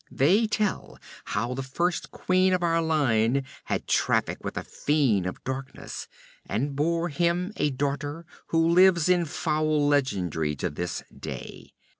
They tell how the first queen of our line had traffic with a fiend of darkness and bore him a daughter who lives in foul legendry to this day.